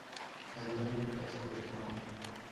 Adrián Castrejón.